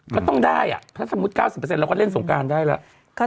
ก็ต้องได้ถ้าสมมุติ๙๐เราก็เล่นสงการได้แล้ว